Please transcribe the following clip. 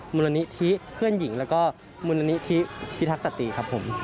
มูลนิธิเพื่อนหญิงแล้วก็มูลนิธิพิทักษีครับผม